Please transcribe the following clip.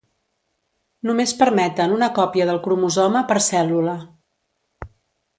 Només permeten una còpia del cromosoma per cèl·lula.